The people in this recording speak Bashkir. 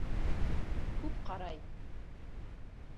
Күп ҡарай!